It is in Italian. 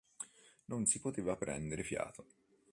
Non si poteva prendere fiato.